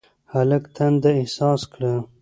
هلک تنده احساس کړه.